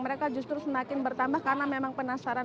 mereka justru semakin bertambah karena memang penasaran